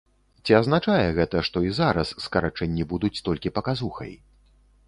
Ці азначае гэта, што і зараз скарачэнні будуць толькі паказухай?